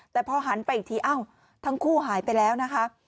แต่พอหันไปอีกทีอ้าวทั้งคู่หายไปแล้วนะคะ